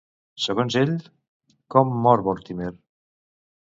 Segons ell, com mor Vortimer?